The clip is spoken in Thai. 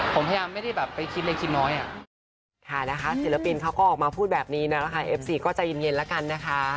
ผมพยายามไม่ได้ไปคิดอะไรคิดน้อย